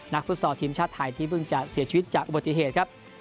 ฟุตซอลทีมชาติไทยที่เพิ่งจะเสียชีวิตจากอุบัติเหตุครับ